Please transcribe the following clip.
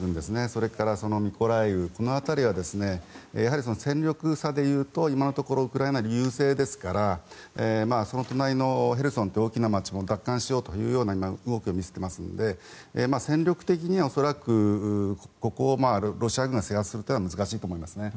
それからミコライウこの辺りは戦力差でいうと今のところウクライナに優勢ですからその隣のヘルソンという大きな街も奪還しようというような動きを見せていますので戦力的には恐らくここをロシア軍が制圧するのは難しいと思いますね。